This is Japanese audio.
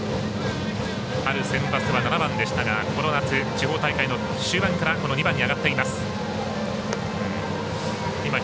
春センバツは７番でしたがこの夏地方大会の終盤から２番に上がっています。